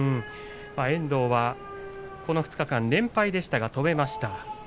遠藤はこの２日間連敗でしたが止めました。